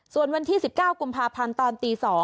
ส่วนวันที่๑๙กุมภาพันธ์ตอนตี๒